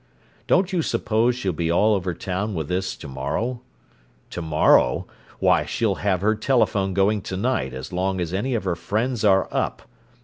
Don't you suppose she'll be all over town with this to morrow? To morrow? Why, she'll have her telephone going to night as long as any of her friends are up!